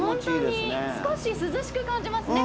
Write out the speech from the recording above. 本当に少し涼しく感じますね